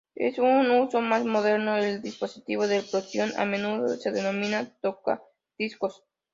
En un uso más moderno, el dispositivo de reproducción a menudo se denomina "tocadiscos".